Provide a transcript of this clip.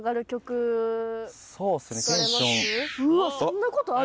うわそんなことある？